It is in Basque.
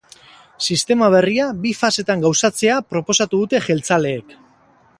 Sistema berria bi fasetan gauzatzea proposatu dute jeltzaleek.